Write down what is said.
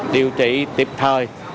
điều trị tiếp thời